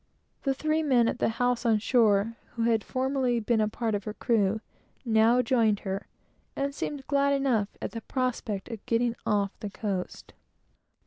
The three men at the house on shore, who had formerly been a part of her crew, now joined her, and seemed glad enough at the prospect of getting off the coast.